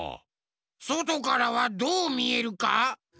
そとからはどうみえるか？